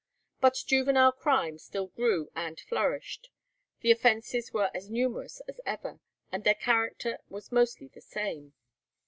But juvenile crime still grew and flourished, the offences were as numerous as ever, and their character was mostly the same.